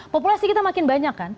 populasi kita makin banyak